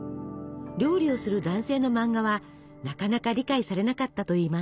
料理をする男性の漫画はなかなか理解されなかったといいます。